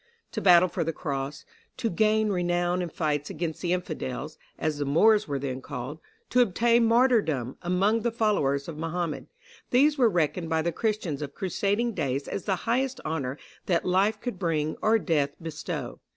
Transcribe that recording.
To battle for the Cross, to gain renown in fights against the Infidels as the Moors were then called, to "obtain martyrdom" among the followers of Mohammed these were reckoned by the Christians of crusading days as the highest honor that life could bring or death bestow.